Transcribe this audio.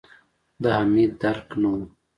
د حميد درک نه و.